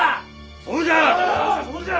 そうじゃ！